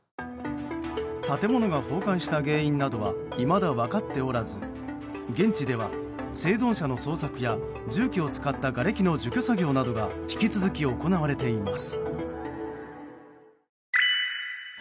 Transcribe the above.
建物が崩壊した原因などはいまだ分かっておらず現地では、生存者の捜索や重機を使ったがれきの除去作業などが引き続き行われています。